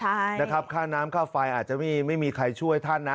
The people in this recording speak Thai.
ใช่นะครับค่าน้ำค่าไฟอาจจะไม่มีใครช่วยท่านนะ